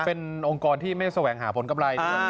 เป็นองค์กรที่ไม่แสวงหาผลกำไร